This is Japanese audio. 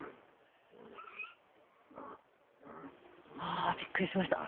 あびっくりしました。